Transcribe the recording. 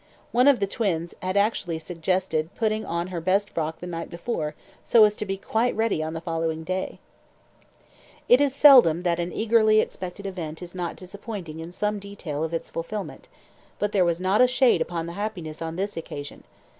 One of the twins had actually suggested putting on her best frock the night before so as to be quite ready on the following day. It is seldom that such an eagerly expected event is not disappointing in some detail of its fulfilment, but there was not a shade upon the happiness on this occasion.